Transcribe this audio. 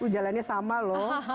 jalannya sama loh